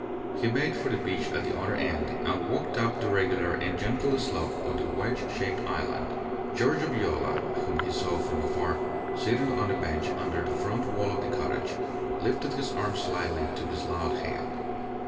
He made for the beach at the other end, and walked up the regular and gentle slope of the wedge shaped island. Giorgio Viola, whom he saw from afar, sitting on a bench under the front wall of the cottage, lifted his arm slightly to his loud hail.